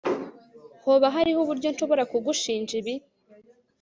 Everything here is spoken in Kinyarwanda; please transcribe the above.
Hoba hariho uburyo nshobora kugushinja ibi